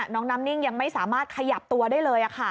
น้องน้ำนิ่งยังไม่สามารถขยับตัวได้เลย